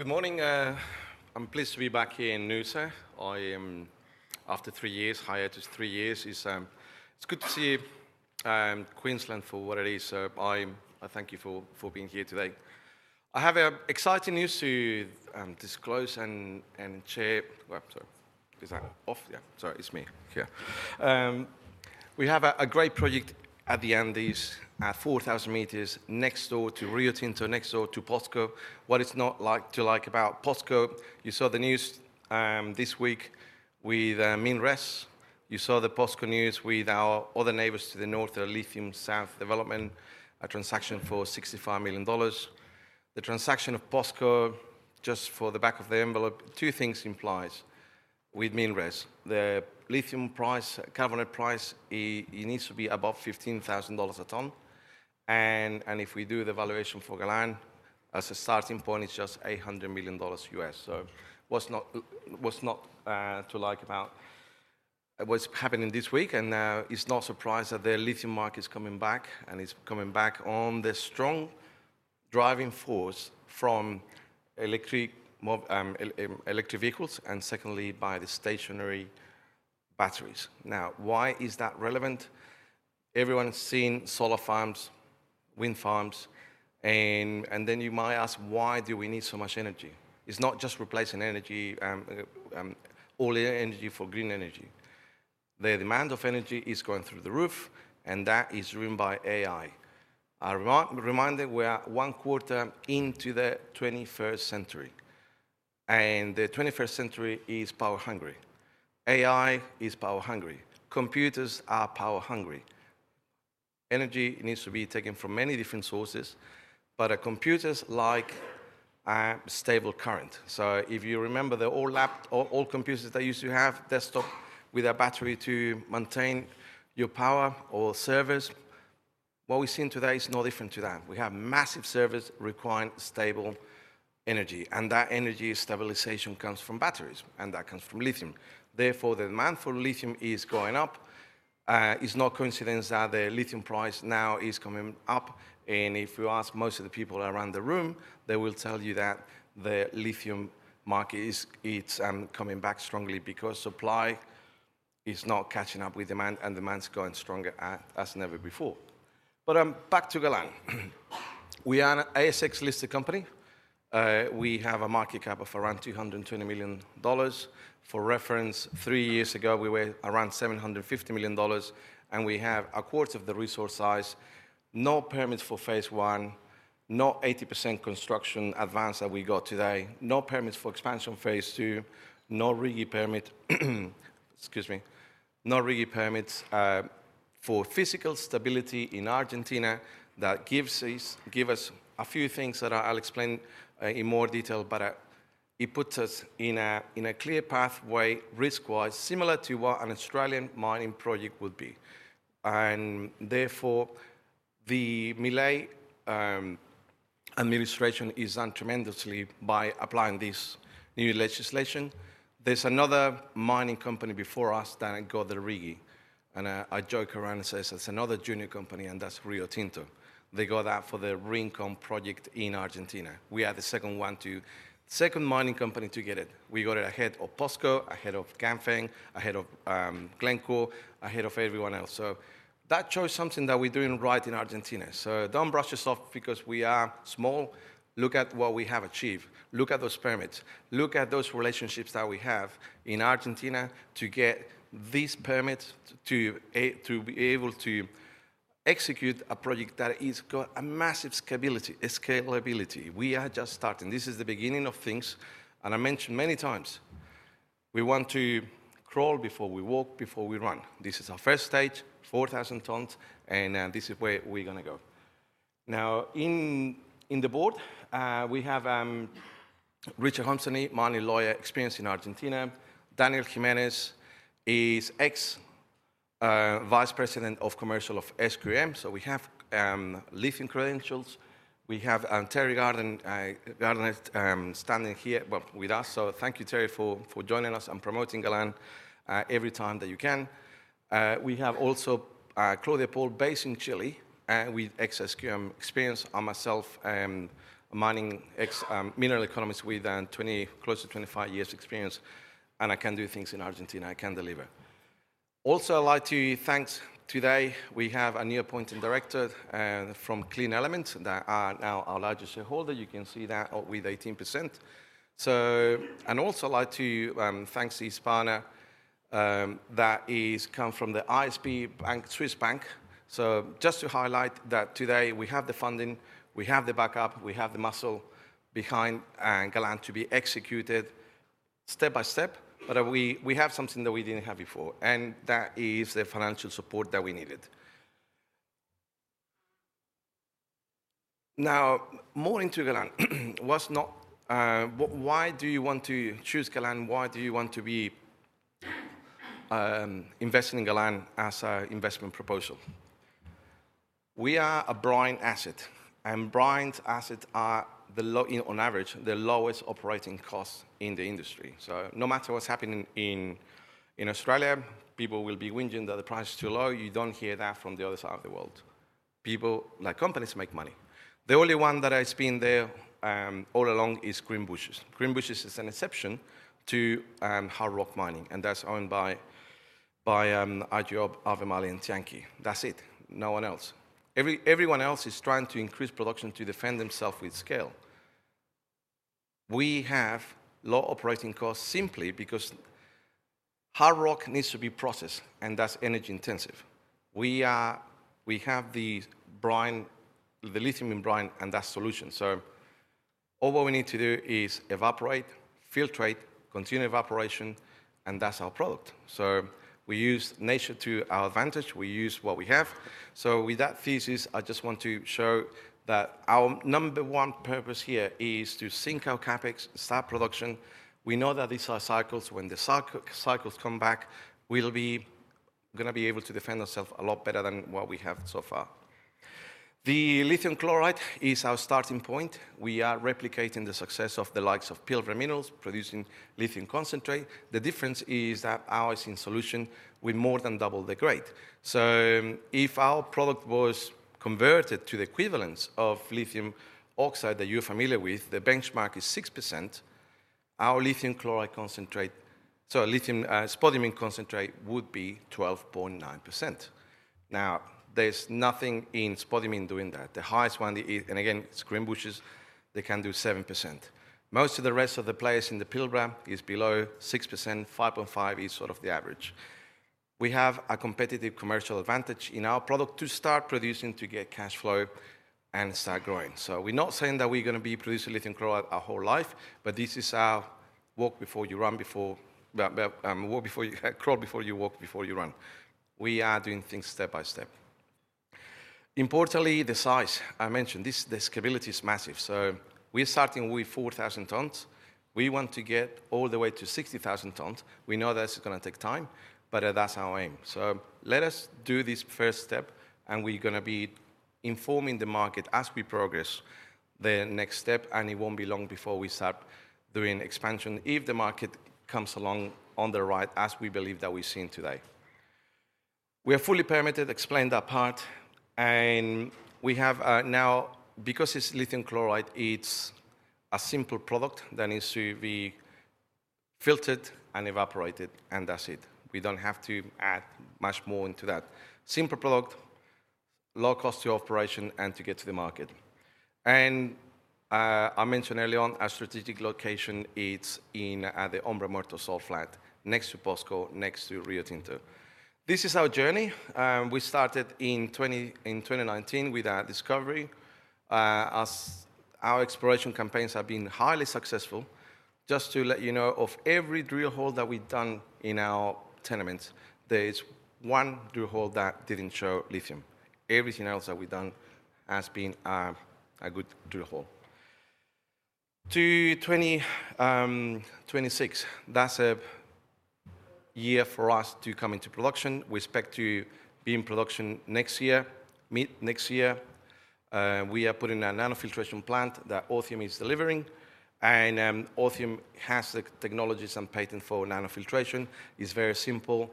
Good morning. I'm pleased to be back here in Noosa. I am, after three years, hired just three years. It's good to see Queensland for what it is. I thank you for being here today. I have exciting news to disclose and share. Sorry. Is that off? Yeah, sorry. It's me here. We have a great project at the Andes, 4,000 meters next door to Rio Tinto, next door to POSCO. What is not to like about POSCO. You saw the news this week with MinRes. You saw the POSCO news with our other neighbors to the north, the Lithium South Development, a transaction for $65 million. The transaction of POSCO, just for the back of the envelope, two things implies with MinRes. The Lithium price, Carbonate price, needs to be above $15,000 a ton. If we do the valuation for Galan, as a starting point, it's just $800 million. What's not to like about what's happening this week? It's no surprise that the Lithium Market is coming back, and it's coming back on the strong driving force from Electric Vehicles and, secondly, by the Stationary Batteries. Why is that relevant? Everyone's seen Solar Farms, Wind Farms. You might ask, why do we need so much energy? It's not just replacing all energy for Green Energy. The demand of energy is going through the roof, and that is driven by AI. A reminder, we are one quarter into the 21st century. The 21st century is Power hungry. AI is Power hungry. Computers are Power hungry. Energy needs to be taken from many different sources, but computers like Stable Current. If you remember, all computers that used to have desktop with a battery to maintain your Power or Service, what we've seen today is no different to that. We have massive servers requiring Stable Energy. That energy stabilization comes from batteries, and that comes from Lithium. Therefore, the demand for Lithium is going up. It's no coincidence that the Lithium price now is coming up. If you ask most of the people around the room, they will tell you that the Lithium Market is coming back strongly because supply is not catching up with demand, and demand's going stronger as never before. Back to Galan. We are an ASX-listed Company. We have a market cap of around $220 million. For reference, three years ago, we were around $750 million, and we have a quarter of the resource size, no permits for phase one, no 80% construction advance that we got today, no permits for expansion phase II, no RIGI Permit. Excuse me. No RIGI Permits for Physical Stability in Argentina that gives us a few things that I'll explain in more detail, but it puts us in a clear pathway risk-wise, similar to what an Australian Mining Project would be. Therefore, the Milei Administration has done tremendously by applying this New Legislation. There's another Mining Company before us that got the RIGI. A joke around says, it's another junior company, and that's Rio Tinto. They got that for the Rincon project in Argentina. We are the second mining company to get it. We got it ahead of POSCO, ahead of Ganfeng, ahead of Glencore, ahead of everyone else. That shows something that we're doing right in Argentina. Do not brush us off because we are small. Look at what we have achieved. Look at those permits. Look at those relationships that we have in Argentina to get these permits to be able to execute a project that has got massive scalability. We are just starting. This is the beginning of things. I mentioned many times, we want to crawl before we walk, before we run. This is our first stage, 4,000 tons, and this is where we're going to go. Now, in the board, we have Richard Huntsley, mining lawyer experienced in Argentina. Daniel Jimenez is ex-Vice President of Commercial of SQM. We have Lithium credentials. We have Terry Gardner standing here with us. Thank you, Terry, for joining us and promoting Galan every time that you can. We have also Claudia Paul, based in Chile, with ex-SQM experience. I myself am a mining mineral economist with close to 25 years' experience, and I can do things in Argentina. I can deliver. Also, I'd like to thank today, we have a new appointed Director from Clean Elements that are now our largest Shareholder. You can see that with 18%. Also, I'd like to thank SIEspaña, that has come from the ISP Bank, Swiss Bank. Just to highlight that today, we have the funding, we have the backup, we have the muscle behind Galan to be executed step by step, but we have something that we did not have before, and that is the Financial Support that we needed. Now, more into Galan. Why do you want to choose Galan? Why do you want to be investing in Galan as an Investment Proposal? We are a Brine Asset, and Brine Assets are, on average, the lowest Operating Cost in the industry. No matter what's happening in Australia, people will be whinging that the price is too low. You don't hear that from the other side of the world. People, like companies, make money. The only one that has been there all along is Greenbushes. Greenbushes is an exception to hard rock mining, and that's owned by Albemarle, Tianqi, and I mean, that's it. No one else. Everyone else is trying to increase production to defend themselves with scale. We have low operating costs simply because hard rock needs to be processed, and that's energy intensive. We have the Lithium in Brine, and that's solution. All we need to do is Evaporate, Filtrate, continue Evaporation, and that's our Product. We use nature to our advantage. We use what we have. With that thesis, I just want to show that our number one purpose here is to sink our CapEx, start production. We know that these are cycles. When the cycles come back, we're going to be able to defend ourselves a lot better than what we have so far. The Lithium Chloride is our starting point. We are replicating the success of the likes of Pilbara Minerals, producing Lithium Concentrate. The difference is that ours in solution will more than double the grade. If our product was converted to the equivalence of Lithium Oxide that you're familiar with, the benchmark is 6%. Our Lithium Chloride Concentrate, so Lithium Spodumene Concentrate, would be 12.9%. Now, there's nothing in spodumene doing that. The highest one, and again, it's Greenbushes, they can do 7%. Most of the rest of the players in the Pilbara is below 6%. 5.5% is sort of the average. We have a competitive commercial advantage in our product to start producing, to get cash flow, and start growing. We are not saying that we are going to be producing Lithium chloride our whole life, but this is our walk before you run, before you crawl, before you walk, before you run. We are doing things step by step. Importantly, the size. I mentioned this. The scalability is massive. We are starting with 4,000 tons. We want to get all the way to 60,000 tons. We know that is going to take time, but that is our aim. Let us do this first step, and we're going to be informing the market as we progress the next step, and it won't be long before we start doing expansion if the market comes along on the right as we believe that we've seen today. We are fully permitted. Explained that part. And we have now, because it's Lithium chloride, it's a simple product that needs to be filtered and evaporated, and that's it. We don't have to add much more into that. Simple product, low cost to operation and to get to the market. I mentioned earlier on our strategic location. It's in the Ombra Morton Salt Flat, next to POSCO, next to Rio Tinto. This is our journey. We started in 2019 with our discovery. Our exploration campaigns have been highly successful. Just to let you know, of every drill hole that we've done in our tenements, there's one drill hole that didn't show Lithium. Everything else that we've done has been a good drill hole. To 2026, that's a year for us to come into production. We expect to be in production next year, mid next year. We are putting a nano filtration plant that Otium is delivering. Otium has the technologies and patent for nano filtration. It's very simple.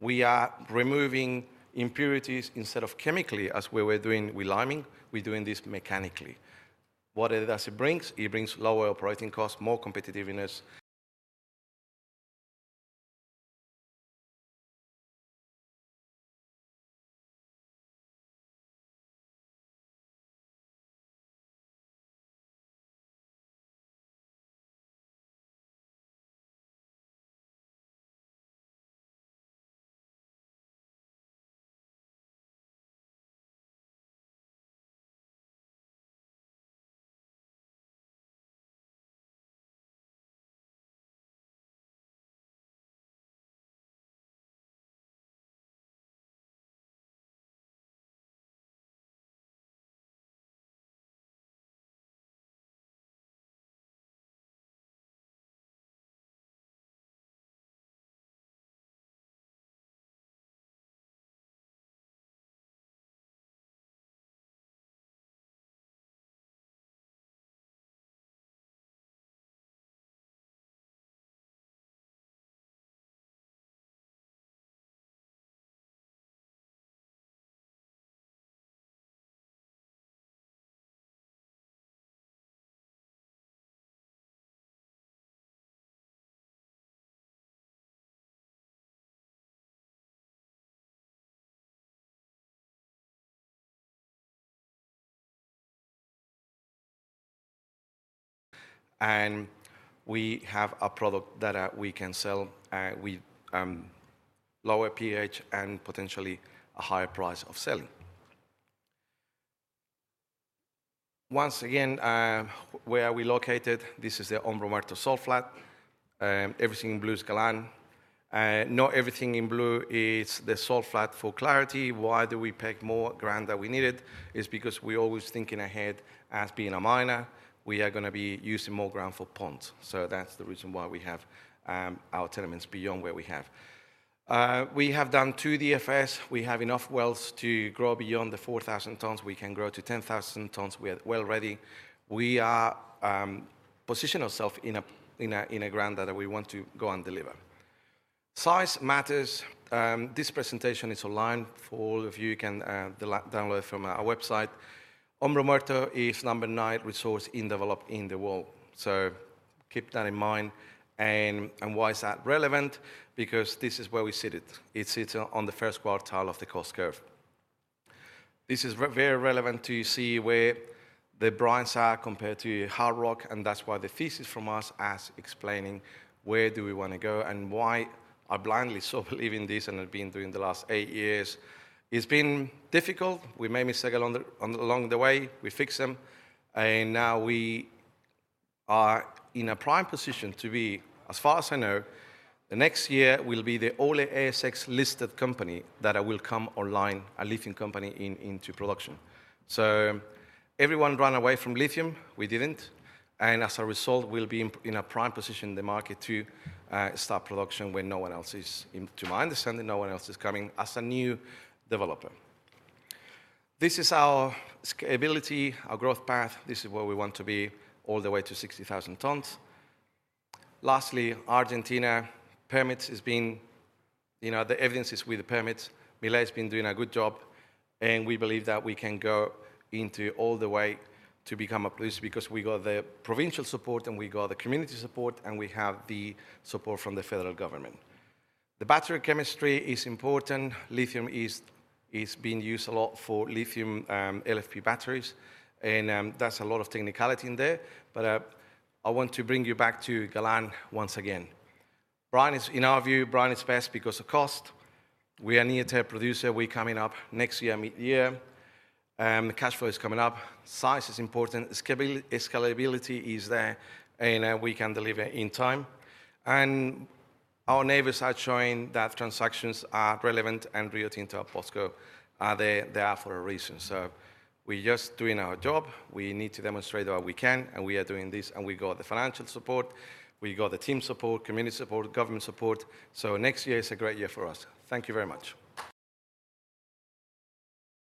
We are removing impurities instead of chemically, as we were doing with liming. We're doing this mechanically. What does it bring? It brings lower operating costs, more competitiveness. We have a product that we can sell with lower pH and potentially a higher price of selling. Once again, where are we located? This is the Ombra Morton Salt Flat. Everything in blue is Galan. Not everything in blue is the salt flat for clarity. Why do we pick more ground than we needed? It is because we are always thinking ahead as being a miner. We are going to be using more ground for ponds. That is the reason why we have our tenements beyond where we have. We have done two DFS. We have enough wells to grow beyond the 4,000 tons. We can grow to 10,000 tons. We are well ready. We are positioning ourselves in a ground that we want to go and deliver. Size matters. This presentation is online for all of you. You can download it from our website. Ombra Morto is number nine resource in developed in the world. Keep that in mind. Why is that relevant? Because this is where we sit. It sits on the first quartile of the Cost Curve. This is very relevant to see where the brines are compared to hard rock, and that's why the thesis from us as explaining where do we want to go and why I blindly so believe in this and have been doing the last eight years. It's been difficult. We may miss a Galan along the way. We fix them. And now we are in a prime position to be, as far as I know, the next year will be the only ASX-listed company that will come online, a Lithium company into production. Everyone ran away from Lithium. We didn't. As a result, we'll be in a prime position in the market to start production when no one else is, to my understanding, no one else is coming as a new developer. This is our scalability, our growth path. This is where we want to be all the way to 60,000 tons. Lastly, Argentina permits has been, the evidence is with the permits. Milei has been doing a good job, and we believe that we can go into all the way to become a producer because we got the provincial support, and we got the community support, and we have the support from the federal government. The battery chemistry is important. Lithium is being used a lot for Lithium LFP batteries, and that's a lot of technicality in there. I want to bring you back to Galan once again. In our view, Brine is best because of cost. We are a near-term producer. We're coming up next year, mid-year. Cash flow is coming up. Size is important. Scalability is there, and we can deliver in time. Our neighbors are showing that transactions are relevant, and Rio Tinto and POSCO are there for a reason. We are just doing our job. We need to demonstrate that we can, and we are doing this. We got the financial support. We got the team support, community support, government support. Next year is a great year for us. Thank you very much.